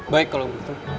baik kalau begitu